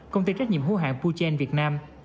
công ty trách nhiệm hữu hạng puchen việt nam